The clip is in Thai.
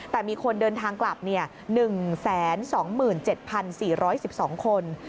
แต่มีคนเดินทางกลับ๑๒๗๔๑๒คน